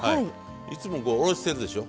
いつもおろしてるでしょ。